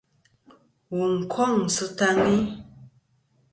Wù n-kôŋ sɨ taŋi.